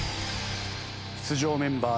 出場メンバー